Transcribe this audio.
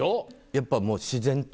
やっぱもう自然と。